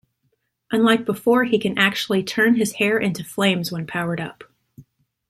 Unlike before, he can actually turn his hair into flames when powered up.